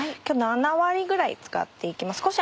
今日７割ぐらい使って行きます